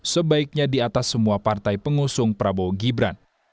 sebaiknya di atas semua partai pengusung prabowo gibran